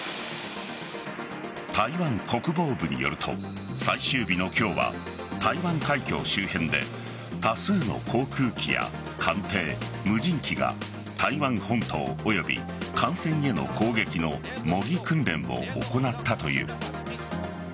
台湾国防部によると最終日の今日は台湾海峡周辺で多数の航空機や艦艇無人機が台湾本島および艦船への攻撃の模擬訓練を行ったという。